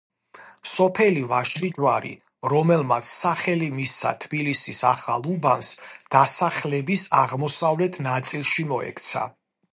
სოფელი ვაშლიჯვარი, რომელმაც სახელი მისცა თბილისის ახალ უბანს, დასახლების აღმოსავლეთ ნაწილში მოექცა.